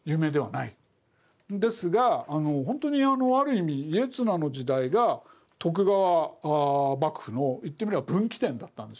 ですが本当にある意味家綱の時代が徳川幕府の言ってみれば分岐点だったんですよ。